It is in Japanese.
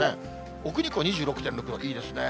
奥日光２６．６度、いいですね。